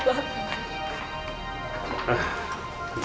bapak saya juga